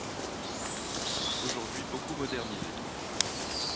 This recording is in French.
Il s'est aujourd'hui beaucoup modernisé.